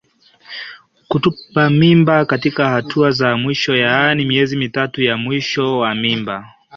Kutupa mimba katika hatua za mwisho yaani miezi mitatu ya mwisho wa mimba